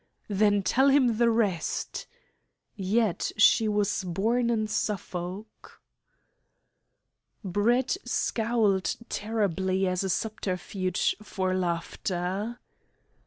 "Then tell him the rest!". (Yet she was born in Suffolk.) Brett scowled terribly as a subterfuge for laughter.